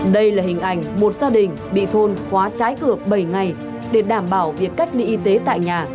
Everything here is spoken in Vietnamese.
đây là hình ảnh một gia đình bị thôn khóa trái cửa bảy ngày để đảm bảo việc cách ly y tế tại nhà